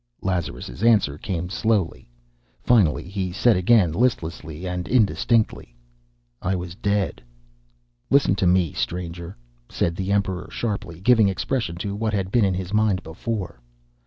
Lazarus' answer came slowly. Finally he said again, listlessly and indistinctly: "I was dead." "Listen to me, stranger," said the Emperor sharply, giving expression to what had been in his mind before.